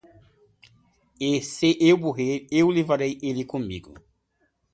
E se eu morrer, eu levarei ele comigo